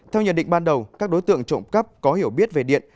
theo nhận định ban đầu các đối tượng trộm cắp có hiểu biết về điện